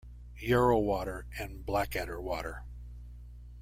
Yarrow Water and Blackadder Water.